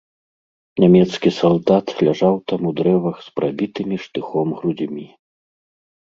Нямецкі салдат ляжаў там у дрэвах з прабітымі штыхом грудзьмі.